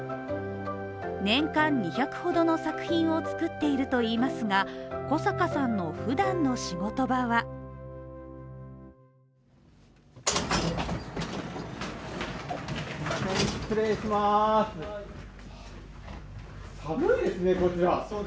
年間２００ほどの作品を作っているといいますが、小阪さんのふだんの仕事場は寒いですね、こちら。